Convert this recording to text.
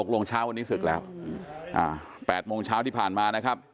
ลงเช้าวันนี้ศึกแล้ว๘โมงเช้าที่ผ่านมานะครับ